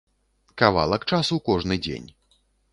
Кавалак часу кожны дзень.